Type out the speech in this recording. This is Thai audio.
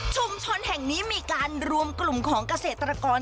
ชุมชนแห่งนี้มีการรวมกลุ่มของเกษตรกร